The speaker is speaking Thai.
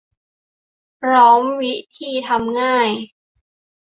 พร้อมวิธีทำง่าย